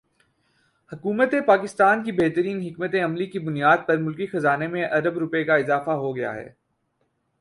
حکومت پاکستان کی بہترین حکمت عملی کی بنیاد پر ملکی خزانے میں ارب روپے کا اضافہ ہوگیا ہے